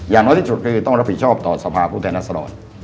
อย่างน้อยที่จุดคือต้องรับผิดชอบต่อสภาพวุทธนศาลอด